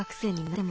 でも。